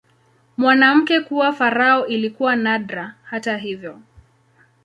Mwanamke kuwa farao ilikuwa nadra, hata hivyo.